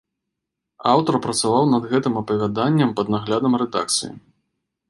Аўтар працаваў над гэтым апавяданнем пад наглядам рэдакцыі.